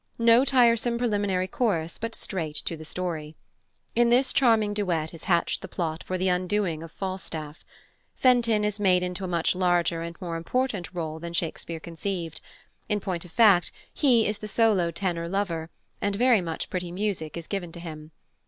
No tiresome preliminary chorus, but straight to the story. In this charming duet is hatched the plot for the undoing of Falstaff. Fenton is made into a much larger and more important rôle than Shakespeare conceived; in point of fact, he is the solo tenor lover, and much very pretty music is given to him.